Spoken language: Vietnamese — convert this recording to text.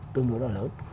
tương đối là lớn